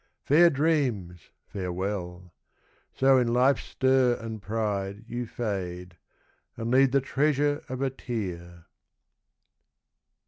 Fair dreams, farewell! So in life's stir and pride You fade, and leave the treasure of a tear!